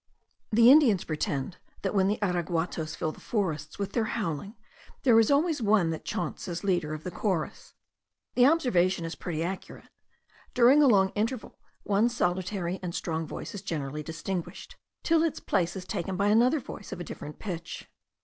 The Indians pretend that when the araguatos fill the forests with their howling, there is always one that chaunts as leader of the chorus. The observation is pretty accurate. During a long interval one solitary and strong voice is generally distinguished, till its place is taken by another voice of a different pitch.